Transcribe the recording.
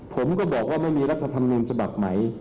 ผมก็บอกว่าไม่มีรัฐธรรมนูญฉบับใหม่